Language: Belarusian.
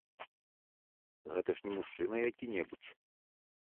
Гэта ж не мужчына які-небудзь.